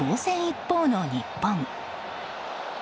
一方の日本。